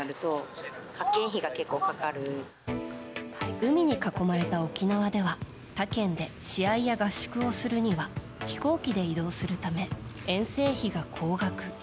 海に囲まれた沖縄では他県で試合や合宿をするには飛行機で移動するため遠征費が高額。